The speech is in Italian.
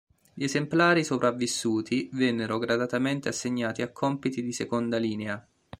Gli esemplari sopravvissuti vennero gradatamente assegnati a compiti di seconda linea.